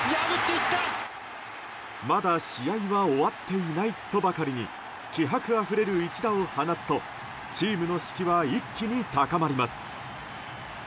まだ試合は終わっていないとばかりに気迫あふれる一打を放つとチームの士気は一気に高まります。